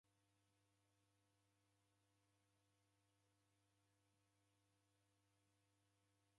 Aho w'ikaiya koka sa boro ya ng'ombe.